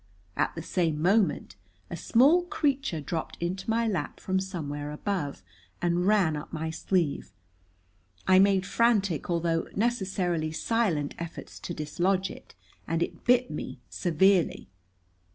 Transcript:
At the same moment a small creature dropped into my lap from somewhere above, and ran up my sleeve. I made frantic although necessarily silent efforts to dislodge it, and it bit me severely.